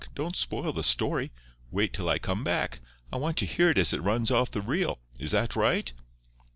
Don't spoil the story. Wait till I come back. I want to hear it as it runs off the reel—is that right?"